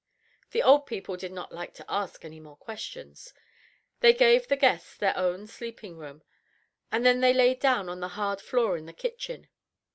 The old people did not like to ask any more questions; they gave the guests their own sleeping room, and then they lay down on the hard floor in the kitchen.